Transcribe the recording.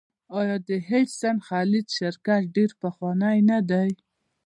آیا د هډسن خلیج شرکت ډیر پخوانی نه دی؟